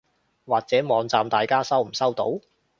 或者網站大家收唔收到？